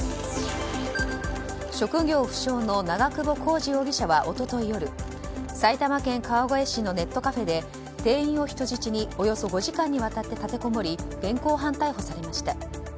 職業不詳の長久保浩二容疑者は一昨日夜埼玉県川越市のネットカフェで店員を人質におよそ５時間にわたり立てこもり現行犯逮捕されました。